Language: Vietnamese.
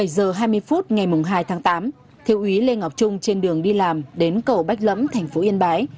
bảy giờ hai mươi phút ngày hai tháng tám thiếu úy lê ngọc trung trên đường đi làm đến cầu bách lẫm thành phố yên bái